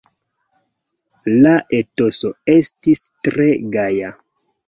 La etoso estis tre gaja.